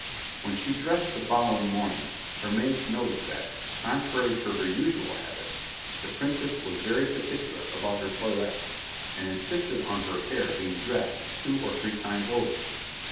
When she dressed the following morning, her maids noticed that, contrary to her usual habit, the princess was very particular about her toilette, and insisted on her hair being dressed two or three times over.